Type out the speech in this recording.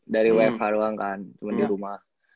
dari web haruang kan cuma di rumah